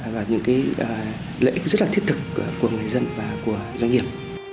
và những lợi ích rất là thiết thực của người dân và của doanh nghiệp